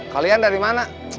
kalian dari mana